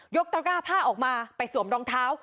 กตะกร้าผ้าออกมาไปสวมรองเท้า